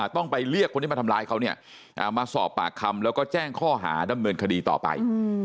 ต้องไปเรียกคนที่มาทำร้ายเขาเนี่ยมาสอบปากคำแล้วก็แจ้งข้อหาดำเนินคดีต่อไป